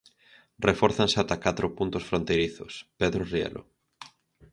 Refórzanse ata catro puntos fronteirizos, Pedro Rielo.